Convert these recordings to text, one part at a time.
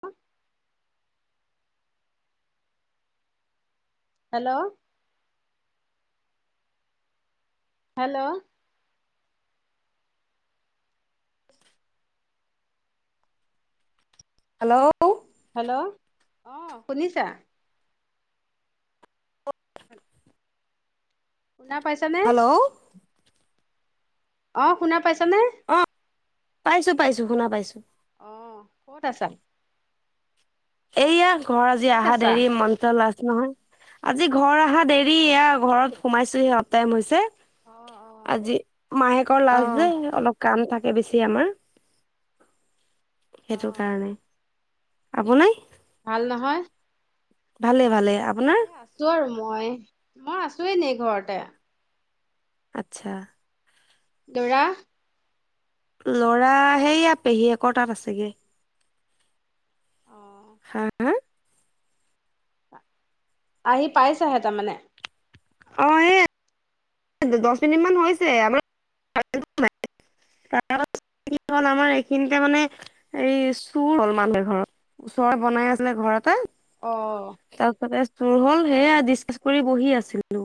হ hello hello hello hello অ শুনিছা উ শুনা পাইছানে হেল্ল' অ শুনা পাইছ নে অ পাইছো পাইছো শুনা পাইছো অ ক'ত আছা এইয়া ঘৰ আজি ক'ত আহা আছা দেৰি মঞ্চল লাছ নহয় আজি ঘৰ অহা দেৰি এয়া ঘৰত সোমাইছোহি সপটাইম হৈছে অ আজি মাহেকৰ লাজ যে অলপ কাম থাকে বেছি আমাৰ সেইটো কাৰণে আব নাই ভাল নহয় ভালে ভালে আপোনাৰ আছো আৰু মই আছোঁ [unintelligible] আচ্ছা লৰা লৰা সেইয়া পেহীয়েকৰ তাত আছেগৈ। হা আ আহি পাইছাহে তাৰমানে অ এই দহ মিনিট মান হৈছে আমাৰ [unintelligible] কি হ'ল আমাৰ এই খিনিতে মানে এই চুৰ হ'ল মানুহৰ ঘৰত [unintelligible] বনাই আছিলে ঘৰতে। অ তাৰ পিছতে চোৰ হ'ল অ সেইয়া ডিচকাচ কৰি বহি আছেো। হেল্ল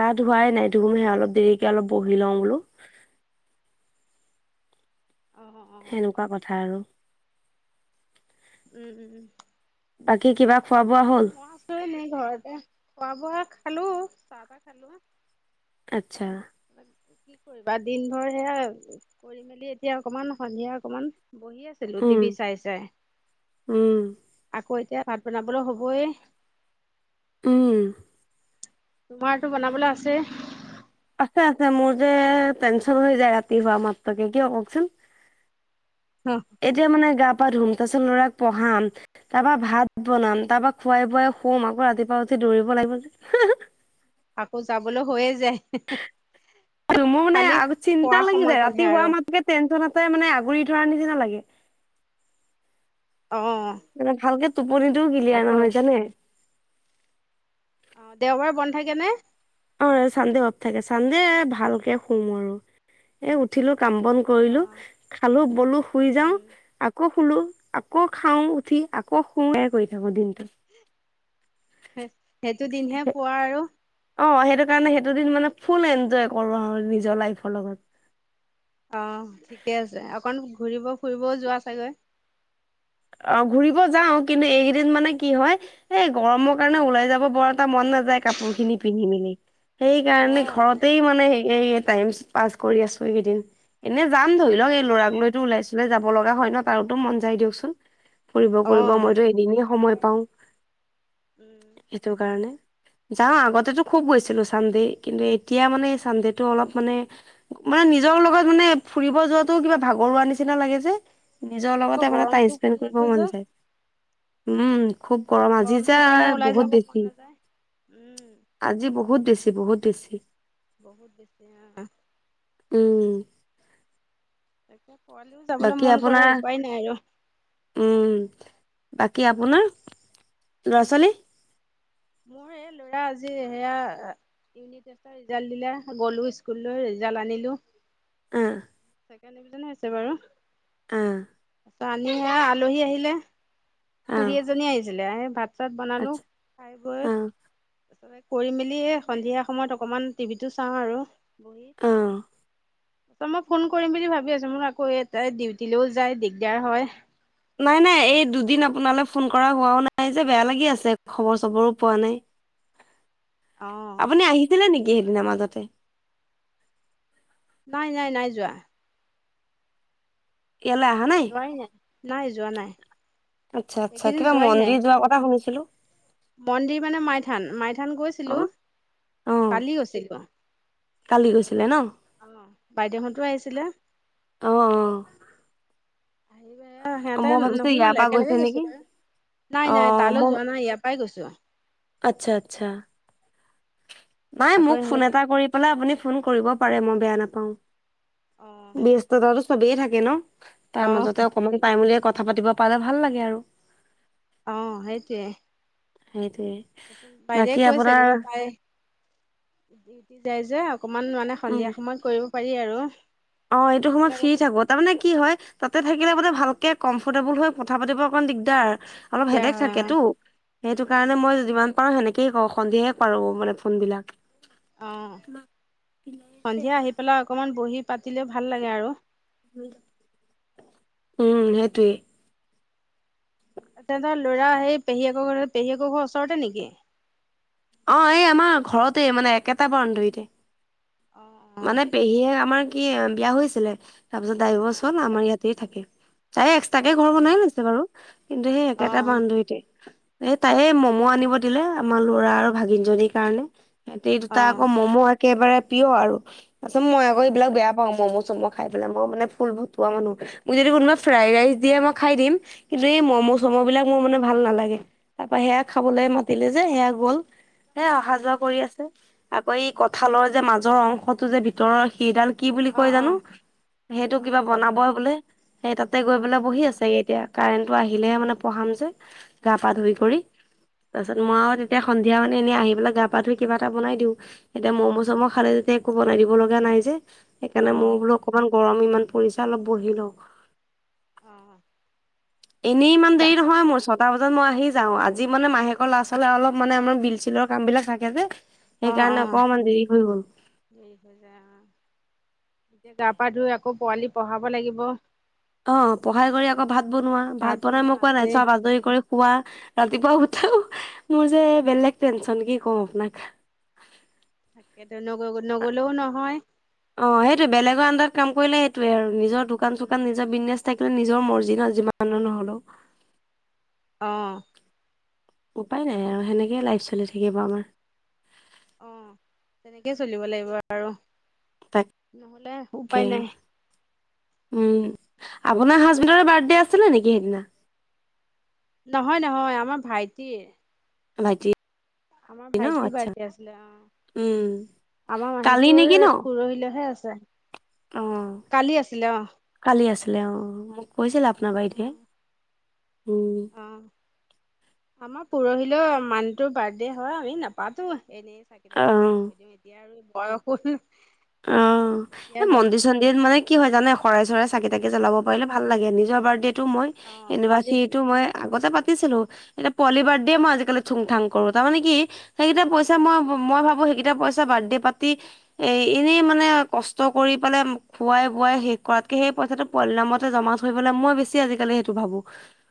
গা ধুৱাই নাই থুবকেই অলপ দেৰিকে অলপ বহি লওঁ বোলো অ অ সেনেকুৱা কথা আৰু উম, উম। বাকী কিবা খোৱা বোৱা হ'ল মই আছোঁ এনেই ঘৰতে খোৱা বোৱা খালো চাহ তাহ খালো হে। আচ্ছা। কি কৰিবা দিন ভৰ সেয়া, কৰি মেলি এতিয়া অকমান সন্ধিয়া অকমান। বহি আছিলো উম টিভি চাই চাই, উম আকৌ এতিয়া ভাত বনাবলৈ হ'ব। বহ য়ে। উম। তোমাৰটো বনাবলৈ আছে? আছে আছে মোৰ যে টেনচন হৈ যায় ৰাতিপুৱা মাতবাকে, কিয় কওকচোন? এতিয়া মানে গাত ধুম তাৰপাছত ল'ৰাক পঢ়াম তাৰপা ভাত বনাম, তাৰপা খোৱাই বোৱাই শুম, আকৌ ৰাতিপুৱা উঠি দৌৰিব লাগিব যে। আকৌ যাবলৈ হৈয়ে যায় মোৰ মানে খালি আগত খোৱা চিন্তা লাগি যায়। সময়কণহে ৰাতি শুৱা আৰু মাত্ৰকে টেনচনত চে মানে আগুৰি থোৱাৰ নিচিনা লাগে। অ'। মোৰ দিনটো কিলিয়াৰ আকৌ নহয় জানে? অ', দেওবাৰে বন্ধ থাকে নে? অ', চান্দে অফ থাকে। চান্দে ভালকে শুম আৰু এ, উঠিলোঁ কাম বন অ কৰিলোঁ খালো বলো শুই যাওঁ, উম আকৌ শুলোঁ আকৌ খাওঁ উঠি, আকৌ শুওঁ এয়া কৰি থাকোঁ দিনটো। হে সেইটো দিনহে শুৱা আৰু। অ', সেইটো কাৰণে সেইটো দিন মানে ফু'ল এনজয় কৰো আৰু নিজৰ লাইফৰ লগত। অহ ঠিকে আছে। অকণ ঘূৰিব ফুৰিবও যোৱা চাগৈ। অ', ঘুৰিব যাও কিন্তু এইকেইদিন মানে কি হয়, এই গৰমৰ কাৰণে ওলাই যাব বৰ এটা মত নাযায়, কাপোৰ খিনি পিন্ধি মেলি। অ সেইকাৰণে ঘৰতে মানে এ, টাইম পাছ কৰি আছোঁ এইকেইদিন। এনে যাম ধৰি ল উম এই ল'ৰাক লৈতো ওলাই চুলাই যাব লগা হয় ন'। তাৰোটো মন যায় দিয়কচোন। ফুৰিব অ কৰিব মইতো সেইটো এদিনহে পোৱালি সময় আৰু পাও, উম সেইটো কাৰণে। যাওঁ আগতেটো খুব গৈছিলোঁ চানডে, কিন্তু এতিয়া মানে চানডেটো অলপ মানে, মানে নিজৰ লগৰ লগত মানে ফুৰিব যোৱাটো কিবা ভাগৰুৱাৰ নিচিনা লাগে যে, নিজৰ ন আকৌ লগতে মানে টাইম গৰমটো স্পেণ্ড পৰি কৰিব আছে মন যে যায়। উম, খুব গৰম আজি যে গৰমটোৰ কাৰণে ওলাই বহুত যাব মন বেছি। নাযায়। উম, আজি বহুত বেছি, বহুত বেছি। বহুত বেছি অ'। উম তাকে পোৱালিও যাবলৈ বাকী মন কৰে আপোনাৰ, উপায় নাই আৰু। উম। বাকী আপোনাৰ, ল'ৰা ছোৱালী? মোৰ এই ল'ৰা আজি সেয়া ইউনি টেষ্টৰ ৰিজাল্ট দিলে গ'লো স্কুললৈ, ৰিজাল্ট আনিলো। অহ। ছেকেণ্ড ডিভিচন হৈছে বাৰু। আহ। আনি সে আলহী আহিলে, অ খুৰী এজনী আহিছিলে। আহ ভাত চাত বনালো। আচ্ছা খাই বৈ অ তাৰপাছতে কৰি মেলি এ, সন্ধিয়া সময়ত অকমান টিভিটো চাওঁ আৰু। বহি। অ ত' মই ফোন কৰিম বুলি ভাবি আছোঁ মোৰ আকৌ, এটাই ডিউটিলৈ যায় দিগদাৰ হয়। নাই নাই এই দুদিন আপোনালৈ ফোন কৰা হোৱাও নাই যে, বেয়া লাগি আছে খবৰ চবৰো পোৱা নাই। উ আপুনি আহিছিলে নেকি? সেইদিনা মাজতে। নাই, নাই, নাই যোৱা। ইয়ালৈ অহা যোৱাই নাই, নাই যোৱা নাই। আচ্ছা, আচ্ছা এইকেইদিন কিবা যোৱাই নাই। মন্দিৰ যোৱা কথা শুনিছিলো। মন্দিৰ মানে মাইথান, মাইথান অ গৈছিলো, অ কালি গৈছিলো। কালি গৈছে। নে বাইদেউহঁতো আহিছিলে। অ', অ'। সিহঁতে মই ভাবিছো ইয়াৰ নোসোমালে পৰা গৈছে একেলগে নেকি গৈছিলো এ নাই অ নাই তালৈ মই যোৱা নাই ইয়াৰ পৰাই গৈছো। যোৱা আচ্ছা, আচ্ছা। নাই আকৌ মোক ফোন সিহঁত এটা কৰি পেলাই, আপুনি ফোন কৰিব পাৰে মই বেয়া নাপাওঁ। অ', ব্যস্ততাটো চবেই থাকে ন' তাৰ অ', মাজতে অকমান পাইমুলিয় ক কথা পাতিব পালে ভাল লাগে আৰু। অ', সেইটোৱে। সেইটোৱে তাৰপিছত বাকী আপোনাৰ উটি যাই যে অকমান মানে উম সন্ধিয়া সময়ত কৰিব পাৰি আৰু। অ', এইটো নহ'লে সময়ত ফ্ৰী অলপ থাকো তাৰমানে কি হয় তাতে থাকিলে মানে ভালকে ক্মফ'ৰ্টেবল হৈ কথা পাতিব অকণ দিগদাৰ। অলপ দিগদাৰ হেদেক হয়, থাকেতো অ'। সেইটো উম, উম, কাৰণে মই যিমান পাৰো সেনেকে ক সন্ধিয়ে কৰো মানে ফোন বিলাক। অ', সন্ধিয়া আহি পেলাই অকমান বহি পাতিলেও ভাল লাগে আৰু। উম, সেইটোৱে। তেতৰ ল'ৰা সেই পেহীয়েকৰ ঘৰ পেহীকৰ ঘৰৰ ওচৰতে নেকি? অ', এই আমাৰ ঘৰতে মানে একেটা বাউণ্ডেৰীতে। অ অ মানে পেহীয়ে আমাৰ কি বিয়া হৈছিলে তাৰপিছত ডাইভৰ্চ হ'ল, আমাৰ ইয়াতেই থাকে। চাই অ এক্সট্ৰাকে ঘৰ বনাই লৈছে বাৰু কিন্তু সেই একেটা বাউণ্ডেৰীতে। এ তাইে মমো আনিব দিলে আমাৰ ল'ৰা আৰু ভাগিন জনীৰ কাৰণে। সিহঁতে অ দুটা আকৌ ম'মো একেবাৰে প্ৰিয় আৰু। আছ মই অ আকৌবিলাক বেয়া পাওঁ ম'ম মই খাই পেলাই মই মানে ফুল ভতুৱা মানুহ ম যদি কোনোবাই ফ্ৰাইড ৰাইচ দিয়ে মই খাই দিম কিন্তু এই অ ম'ম' চ'ম' বিলাক মোৰ মানে ভাল নালাগে তাৰ পৰা সেয়া খাবলৈ মাতিলে যে সেয়া গ'ল। হে অহা উম যোৱা কৰি আছে আকৌ এই কঁঠালৰ যে মাজৰ অংশটো যে ভিতৰৰ সেইডাল কি বুলি অ কয় অ জানো সেইটো অ কিবা বনাব কথা বোলে সেই তাতে গৈ অ পেলাই বহি আছে এতিয়া। কাৰেণ্টটো আহিলেহে মানে পঢ়াম যে গা পা অ ধুই কৰি তাৰপিছত মই আৰু তেতিয়া সন্ধিয়া মানে এনেই আহি পেলাই গা পা ধুই কিবা এটা বনাই দিওঁ এতিয়া ম'মো চ'ম' খালে যেতিয়া বনাই দিব লগা নাই যে সেইকাৰণে অ মই বোলো অকমান গৰম ইমান পৰিছে অলপ বহি লওঁ। অ'। এনেই ইমান গা দেৰি নহয় মোৰ চত তাৰ বজাত মই আহি যাওঁ আজি মানে মাহেকৰ ল'ৰা ছোৱালে অলপ মানে আমাৰ বিল চিলৰ কাম বিলাক থাকে যে। অ অ সেইকাৰণে অকমান দেৰি হৈ গ'ল। দেৰি হৈ যায় অ এতিয়া গা পা ধুই আকৌ পোৱালি পঢ়াব লাগিব। অ', পঢ়াই কৰি আকৌ ভাত বনোৱা, ভাত বনাই বনোৱা মই কোৱা আছে নাই চোৱা আজৰি কৰি খোৱা। ৰাতিপুৱা উঠও মোৰ যে বেলেগ টেনচন কি কওঁ আপোনাক। তাকেতো নগ নগলেও নহয়। অ', সেইটোৱে বেলেগৰ আডাৰত কাম কৰিলে সেইটয়ে আৰু নিজৰ দোকান উম চোকান নিজৰ বিজনেচ থাকিলে নিজৰ মৰ্জি যিমান নহ'লেও। অ'। উপায় নাই আৰু তাকেতো সেনেকেই লাইফ চলি থাকিব আমাৰ। অ', তেনেকেই চলিব লাগিব আৰু। নহ'লে উপায় তাকে নাই উম, আপোনাৰ হাজবেণ্ডৰ বাৰ্থডে আছিলে নেকি সেইদিনা? নহয়-নহয় আমাৰ ভাইটিৰ। ভাইটিৰ। আমাৰ ভাইটি বাৰ্থডে আছিলে অ', উম আমাৰ কালি মানুহটোৰ নেকি ন পৰহিলেহে আছে। অ' কালি আছিলে অ, কালি আছিলে অ' মোক কৈছিল আপ নাৰ অ, ভাইটিয়ে। অ' আমাৰ পৰহিলে মানটোৰ বাৰ্থডে হয় আমি নাপাতো। এনেই চাকি তাকি অ জ্বলাই থৈ দিওঁ এতিয়া আৰু বয়সু হল। অ' এই মন্দিৰ চন্দিৰ নাপাতো মানে কি আৰু হয় জানে শৰাই চৰাই চাকি তাকি জ্বলাব পাৰলে ভাল লাগে নিজৰ বাৰ্থডেটো মই অ, মন্দিৰ এনিভাৰ্চাৰীটো মই আগতে পাতিছিলো এতিয়া পোৱালিৰ বাৰ্থডে মই আজিকালি থুংথাং কৰো তাৰ মানে কি সেইকেইটা পইচা মই মই ভাবো সেইকেইটা পইচা বাৰ্থডে পাৰ্টি এই এনেই মানে কষ্ট কৰি পেলাই খোৱাই বোৱাই শেষ কৰাতকে সেই পইচাটো পোৱাল নামতে জমা থৈব পেলে মই বেছি আজালি সেইটো ভাবো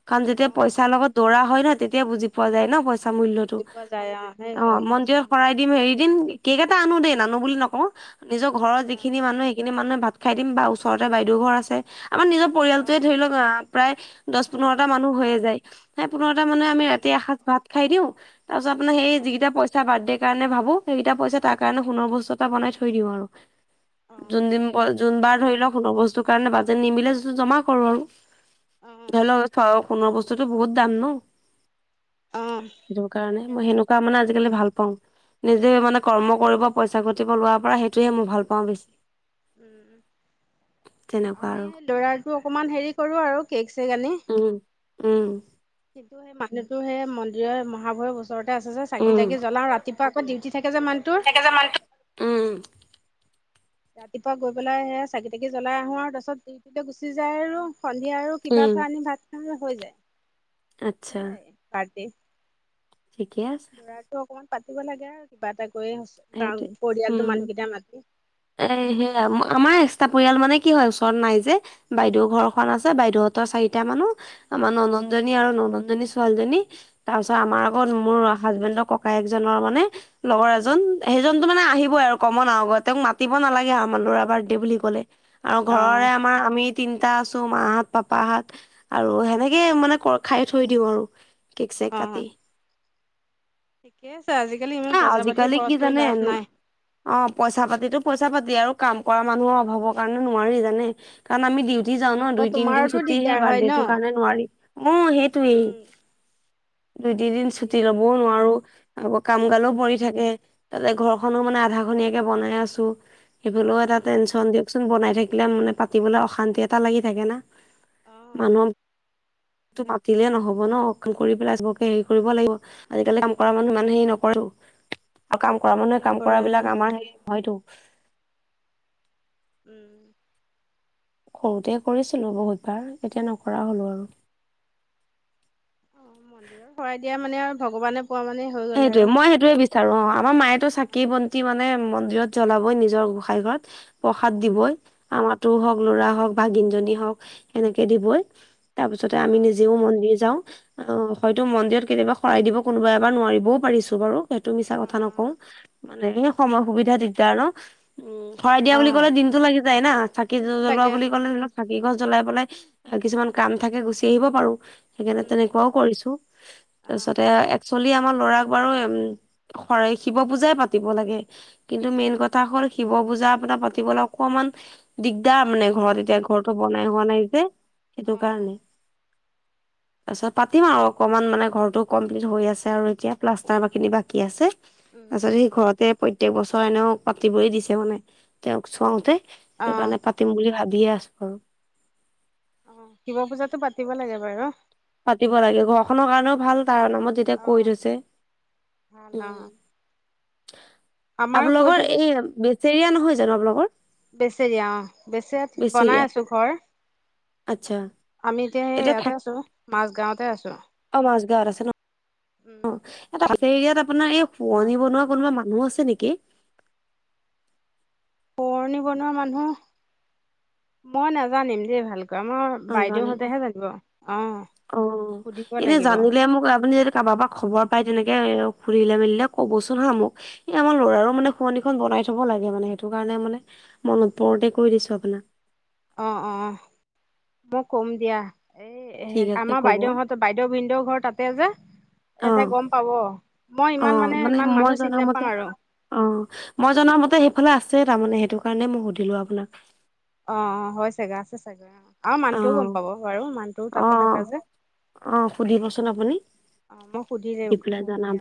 কাৰণ অ, যেতিয়া পইচাৰ লগত দৌৰা হয় ন তেতিয়া বুজি পোৱা যায় ন। আচা মূল্যতো বুজি পোৱা যায় সেই অ পইচা মন্দিৰৰ মূল্য শৰাই দিম হেৰি দিন বুজি কেক এটা আনো দেই নানো বুলি নকওঁ। নিজৰ ঘৰ অ, যিখিনি মানুহ সেইখিনি মানুহে ভাত খাই দিম বা ওচৰতে বাইদেউ ঘৰ আছে। আমাৰ নিজৰ অ, পৰিয়ালটোৱে ধৰি লওক আহ প্ৰায় দহ পোন্ধৰটা মানুহ হৈয়ে যায় সেই পোন্ধৰটা মানুহে আমি উম, ৰাতি এসাছ ভাত খাই দিওঁ তাৰপিছত আপুনাৰ অ, সেই যিকেইটা পইচা বাৰ্থডে কাৰণে সেই কেইটা পইচা তাৰ কাৰণে সোণৰ বস্তু এটা বনাই থৈ দিওঁ আৰু। অ, যোনিন তেনেকুৱা যোনবাৰ কৰাই ধৰি লওক ভাল সোণৰ বস্তুৰ কাৰণে বাজেট নিমিলে য জমা কৰো আৰু। অ, ধৰি লওক চ সোণৰ বস্তুটো বহুত দাম ন। অ, সেইটো কাৰণে মই তাকেতো সেনেকুৱা মানে আজিকালি ভাল পাও। নিজে মানে কৰ্ম কৰিব পইচা ঘটিব লোৱাৰ পৰা সেইটোহে মই ভাল পাওঁ বেছি। উ, তেনেকুৱা আমি আৰু। লৰাটো অকমান হেৰি কৰো আৰু কেক চেক আনি উম-উম, ত সে মানুহেই মন্দিৰৰ মহাভয়ৰ ওচৰতে আছে চাকি উম। উম, তাকি জলাও ৰাতিপুৱা আকৌ ডিউটি থাকে যে মানুহটোৰ। ৰাতিপুৱা গৈ পেলাই সে চাকি তাকি জ্বলাই আহো আৰু তাপিছত তিতে গুচি যায় আৰু। সন্ধিয়া আৰু কিবা উম, এটা আনি ভাত খা হৈ যায় আচ্ছা সেইয়াই পাৰ্টি। ঠিকে আছে। অকণমান পাতিব লাগে আৰু কিবা এটা। কৰি সেইটোৱে পৰিয়ালটো উম, মানুহকেইটা মাতি এ সেয়া আমাৰ পটা পৰিয়াল মানে কি হয় ওচৰত নাই যে বাইদেউ ঘৰখন আছে, বদেউহঁতৰ চাৰি এতিয়া মানুহ আমাৰ ননন জনী আৰু নননজনী ছোৱালীজনী। তাৰ পিছত আমাৰ আগত মোৰ হাজবেণ্ডৰ ককাই এজনৰ মানে লগৰ এজন, সেইজনতো মানে আহিবই আৰু কমন আ আগত তেওঁক মাতিব নালাগে আৰু মানু ল'ৰা বাৰ্থডে বুলি ক'লে। আৰু অ ঘৰৰে আমাৰ আমি তিনটা আছো। মাহত পাপাহত আৰু সেনেকে মানে খাই থৈ দিওঁ আৰু। কেক-চেক কাতি। থিকে আছে। আজিকালি ইমান আহ পইচা পাতি আজিকালি কি খৰচ কৰি জানে লাভ নাই অ' পইচা পাতিতো পইচা পাতি আৰু। কাম কৰা মানুহৰ অভাৱৰ কাৰণে নোৱাৰি জানে। কাৰণ আমি উম ডিউটি যাও ন আকৌ দুই তিন দিন তোমাৰোতো ছুটি সেই দিগদাৰ হয় বাৰ্থডে ন তৰ কাৰণে নোৱাৰি ম সেইটোয়েই। উ [inaudible] দুই তিনিদিন ছুটি লবও নোৱাৰো আকৌ কাম গালো উম পৰি থাকে। তাতে ঘৰখনো মানে আধাখননিয়াকে বনাই আছো সেইবিলও এটা অ তেলচন দিয়ক বনাই থাকিলে মানে পাতিবলৈ অশান্তি এটা লাগি থাকে না অ মানুহক। টো মাতিলে নহব ন কৰি পেলাই চবৰকে হেৰি কৰিব লাগিব আজিকালি কাম কৰা মানুহ ইমান হেৰি উম নক। কৰ আৰু কাম কৰা মানুহে কাম নকৰে কৰা অ বিলাক আমাৰ হে হয়তটো উম সৰুতে কৰিছিলোঁ বহুতবাৰ এতিয়া নকৰা হ'লোঁ আৰু অ মন্দিৰত শৰাই দিয়া মানে আৰু ভগৱানে পোৱা মানে হৈ গ'ল সেইটোয়ে আৰু মই সেইটোয়ে বিচাৰো অ আমাৰ মায়েতো চাকি বন্তি মানে মন্দিৰত জ্বলাবই নিজৰ গোসাই ঘৰত প্ৰসাদ উম দিবই আমাক হওক লৰা হওক বা গিনজনী হওক সেনেকে দিবই তাৰপিছতে অ আমি নিজেও মন্দিৰ যাওঁ অ হয়তো মন্দিৰত কেতিয়াবা শৰাই দিব কোনোবা এবাৰ নোৱাৰিব বও পাৰিছো বাৰু সেইটো মিছা অ কথা নকওঁ অ মানে সেই সময় সুবিধা দিগদাৰ ন উম হৰাই দিয়া অ বুলি ক'লে দিনতটো লাগি যায় না চাকি দিনটো জ্বলোৱা লাগে বুলি ক'লে ধক খাকি গছ জ্বলাই পেলাই কিছুমান কাম থাকে গুচি আহিব পাৰো সেইকাৰণে উম তেনেকুৱাও কৰিছো অ তাৰপিছতে একচুৱেলি আমাৰ ল'ৰা ব শিৱ পূজাই পাতিব লাগে কিন্তু মেইন কথা হ'ল শি পজা পাতিবলৈ অকমান দিগদাৰ মানে ঘৰত এতিয়া ঘৰটো বনাই হোৱা নাই যে সেইটো অ কাৰণে তাৰপিছত পাতিম আৰু অকমান মানে ঘৰটো কমপ্লিট হৈ আছে আৰু এতিয়া প্লাষ্টাৰ বা খিনি বাকী আছে উম তাৰ পিছত সেই ঘৰতে প্ৰত্যেক বছৰ এনেওঁ পাতিবই দিছে মানে তেওঁক চুৱওতে অ সেইটো কাৰণে পাতিম বুলি ভাবি বিৰাজ কৰোঁ অ শিৱ পূজাতো পাতিব লাগে বাৰু পাতিব লাগে ঘৰখনৰ কাৰণেও ভাল তাৰ নামত যেতিয়া অ কৈ থৈছে ভাল উম অ আমাৰো কৈ আপোনালোকৰ থৈছে এই বেচেৰিয়া নহয় জানো আপোনালোকৰ বেচেৰিয়া অ বে চে বনাই বেচেৰিয়া আছো ঘৰ আচ্ছা আমি এতিয়া সেই ইয়াতে আছো মাজগাৱতে আছো অ এটাছেয়াত উম উম আপোনাৰ এই অ খুৱনি বনোৱা কোনোবা মা মনো আছে নেকি পুৰণি বনোৱা মানুহ মই নাজানিম যেই ভালকে মাৰ অ যোৱা নাই অ বাইদেউহতেহে জানিব অ অ সুধিব এনে লাগিব জানিলে মোক আপুনি যদি কাৰোবাৰ পৰা খবৰ পায় তেনেকে ঘুৰিলে মেলিলে ক'বচোন হা মোক এই আমাৰ ল'ৰাৰো মানে খুৱনিখন বনাই থব লাগে মানে সেইটো কাৰণে [unintelligible] অ অ মই কম দিয়া এইে ঠিক আছে আমাৰ ক'ব বাইদেউহঁতৰ বাইদেউ ভিনদেউৰ ঘৰ তাতে যে অ সহতে গম পাব মই অ ইমান মানে ইমান মই মানুহ চিনি জনামতে নাপাওঁ আৰু অ মই জন মতে সেইফালে আছে তাৰমানে সেইটো কাৰণে মই সুধিলো আপোনাক অ অ হয় চাগে আছে চগে অ আৰু অ মানুটোও গম পাব বাৰু মানুটোও অ তাতে থাকা যে অ সুধিবচোন আপুনি অ মই সুধি পেলাই কম জানা দিয়া